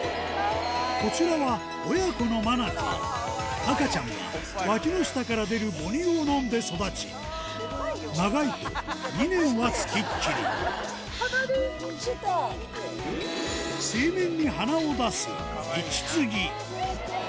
こちらは親子のマナティー赤ちゃんはわきの下から出る母乳を飲んで育ち長いと２年は付きっきり鼻だけ？